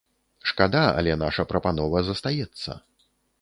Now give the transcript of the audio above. Шкада, але наша прапанова застаецца.